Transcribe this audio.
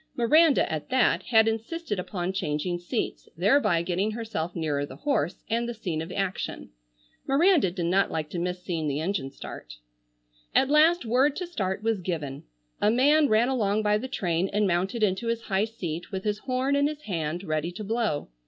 Miranda, at that, had insisted upon changing seats, thereby getting herself nearer the horse, and the scene of action. Miranda did not like to miss seeing the engine start. At last word to start was given. A man ran along by the train and mounted into his high seat with his horn in his hand ready to blow.